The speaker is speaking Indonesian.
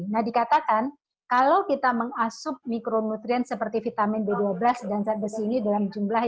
nah dikatakan kalau kita mengasup mikronutrien seperti vitamin b dua belas dan zat besi ini dalam jumlah